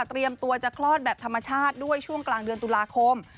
เตรียมตัวจะคลอดแบบธรรมชาติด้วยช่วงกลางเดือนตุลาคม